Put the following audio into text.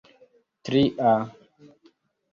tria